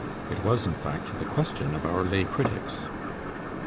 It was, in fact, the question of our lay critics.